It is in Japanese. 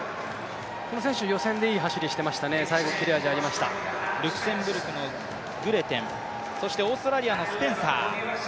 この選手、予選でいい走りしていましたね、最後切れ味ありましたルクセンブルグのグレテン、オーストラリアのスペンサー。